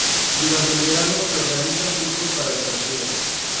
Durante el verano, se organizan cursos para extranjeros.